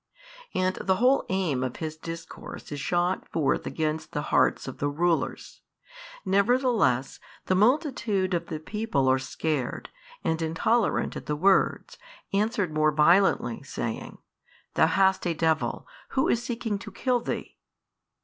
And the whole aim of His discourse is shot forth against the hearts of the rulers: nevertheless the multitude of the people are scared and, intolerant at the words, answered more violently, saying, Thou hast a devil, who is seeking to kill Thee?